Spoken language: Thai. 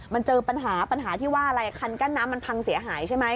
มันเจอปัญหาปัญหาที่ว่าอะไรคันกั้นน้ำมันพังเสียหายใช่ไหม